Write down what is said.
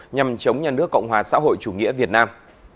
nhằm chống nhà nước cộng hòa xã hội chủ nghĩa việt nam